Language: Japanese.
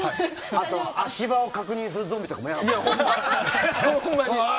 あと足場を確認するゾンビとか嫌だね。